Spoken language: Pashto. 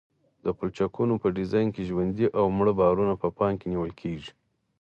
د پلچکونو په ډیزاین کې ژوندي او مړه بارونه په پام کې نیول کیږي